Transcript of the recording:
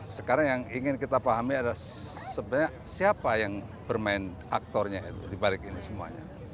sekarang yang ingin kita pahami adalah sebenarnya siapa yang bermain aktornya itu dibalik ini semuanya